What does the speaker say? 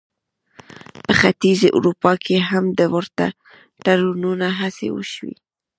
په ختیځې اروپا کې هم د ورته تړونونو هڅې وشوې.